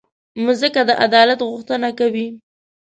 مځکه د عدالت غوښتنه کوي.